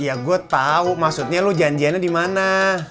iya gua tau maksudnya lu janjiannya di mana